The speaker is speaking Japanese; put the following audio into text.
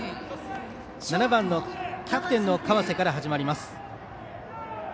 ７番キャプテンの川瀬から始まります。